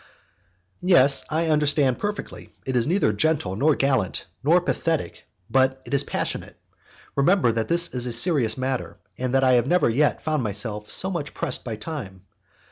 "Yes, I understand perfectly. It is neither gentle, nor gallant, nor pathetic, but it is passionate. Remember that this is a serious matter, and that I have never yet found myself so much pressed by time.